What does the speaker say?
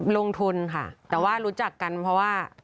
ลงทุนค่ะแต่ว่ารู้จักกันเพราะว่า